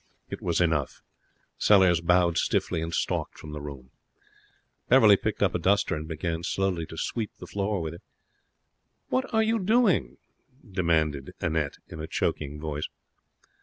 It was enough. Sellers bowed stiffly and stalked from the room. Beverley picked up a duster and began slowly to sweep the floor with it. 'What are you doing?' demanded Annette, in a choking voice.